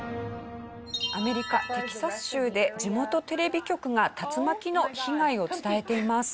アメリカテキサス州で地元テレビ局が竜巻の被害を伝えています。